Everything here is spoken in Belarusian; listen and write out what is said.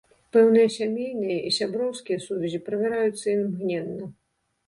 Пэўныя сямейныя і сяброўскія сувязі правяраюцца імгненна.